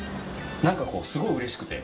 何かすごいうれしくて。